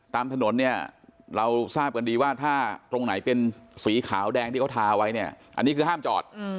ตามถนนเนี่ยเราทราบกันดีว่าถ้าตรงไหนเป็นสีขาวแดงที่เขาทาไว้เนี่ยอันนี้คือห้ามจอด